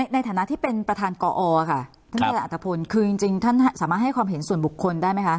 ในฐานะที่เป็นประธานกอค่ะท่านอาจารย์อัตภพลคือจริงท่านสามารถให้ความเห็นส่วนบุคคลได้ไหมคะ